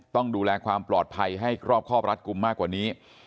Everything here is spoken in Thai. ต้องดูแลความปลอดภัยให้ครอบรัดกลุ่มมากกว่านี้